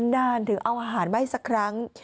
นานถึงเอาอาหารมาให้สักครั้ง